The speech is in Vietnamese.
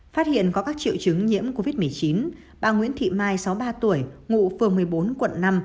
phát hiện có các triệu chứng nhiễm covid một mươi chín bà nguyễn thị mai sáu mươi ba tuổi ngụ phường một mươi bốn quận năm